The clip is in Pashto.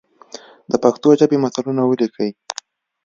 د پښتو ژبي متلونه ولیکئ!